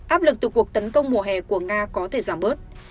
áp lực từ cuộc tấn công mùa hè của nga có thể giảm bớt